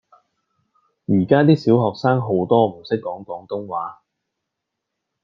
而家 D 小學生好多唔識講廣東話